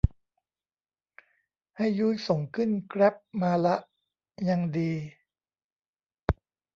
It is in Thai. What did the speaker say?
ให้ยุ้ยส่งขึ้นแกร๊บมาละ ยังดี